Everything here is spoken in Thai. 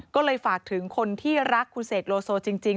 ก็เลยฝากถึงคนที่รักคุณเสกโลโซจริง